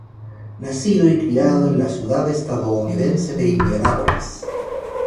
Nacido y criado en la ciudad estadounidense de Indianápolis.